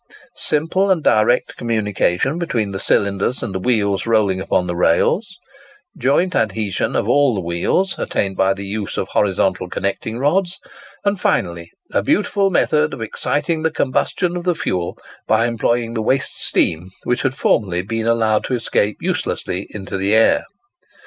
simple and direct communication between the cylinders and the wheels rolling upon the rails; joint adhesion of all the wheels, attained by the use of horizontal connecting rods; and finally, a beautiful method of exciting the combustion of the fuel by employing the waste steam, which had formerly been allowed to escape uselessly into the air.